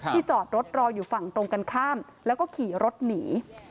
จอดรถรออยู่ฝั่งตรงกันข้ามแล้วก็ขี่รถหนี